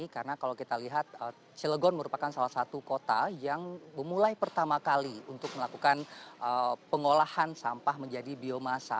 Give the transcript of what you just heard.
karena kalau kita lihat cilegon merupakan salah satu kota yang memulai pertama kali untuk melakukan pengolahan sampah menjadi biomasa